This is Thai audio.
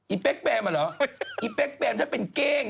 อือหนึ่งต่อสอง